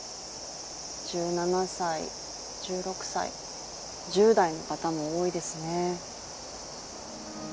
１７歳、１６歳、１０代の方も多いですね。